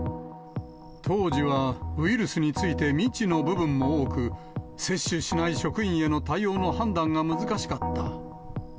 当時はウイルスについて未知の部分も多く、接種しない職員への対応の判断が難しかった。